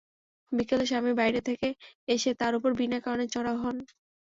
বিকেলে স্বামী বাইরে থেকে এসে তাঁর ওপর বিনা কারণে চড়াও হন।